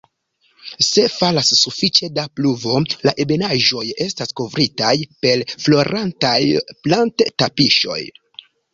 Se falas sufiĉe da pluvo, la ebenaĵoj estas kovritaj per florantaj plant-"tapiŝoj".